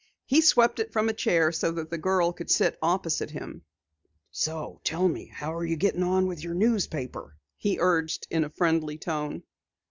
He swept it from a chair so that the girl could sit opposite him. "Tell me how you are getting on with your newspaper," he urged in a friendly tone.